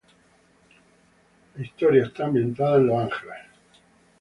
La historia está ambientada en Los Ángeles.